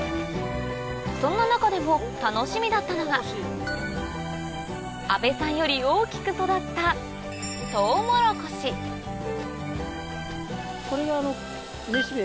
そんな中でも楽しみだったのが阿部さんより大きく育ったこれがめしべ。